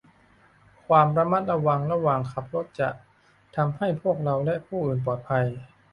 ความระมัดระวังระหว่างขับรถจะทำให้พวกเราและผู้อื่นปลอดภัย